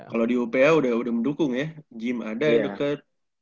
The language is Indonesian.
kalau di upa udah mendukung ya gym ada ya deket